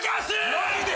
マジで！？